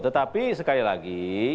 tetapi sekali lagi